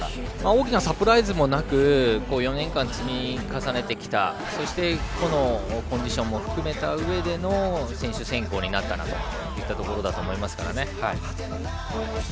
大きなサプライズもなく４年間、積み重ねてきたそしてコンディションも含めたうえでの選手選考になったなといったところだと思います。